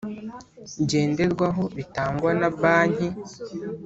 ngenderwaho bitangwa na Banki